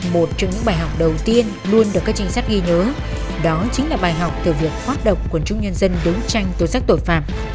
một trong những bài học đầu tiên luôn được các tranh sát ghi nhớ đó chính là bài học từ việc hoạt động quần trung nhân dân đối tranh tội sắc tội phạm